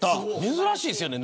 珍しいですよね